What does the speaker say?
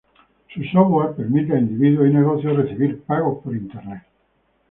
Su software permite a individuos y negocios recibir pagos por internet.